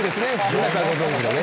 皆さんご存じのね。